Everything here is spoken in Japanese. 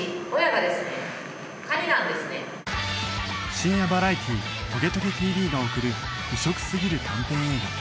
深夜バラエティ『トゲトゲ ＴＶ』が送る異色すぎる短編映画